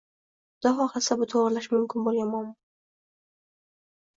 Xudo xohlasa bu to'g'rilash mumkin bo'lgan muammo.